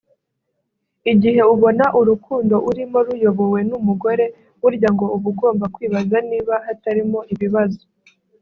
Igihe ubona urukundo urimo ruyobowe n’umugore burya ngo uba ugomba kwibaza niba hatarimo ibibazo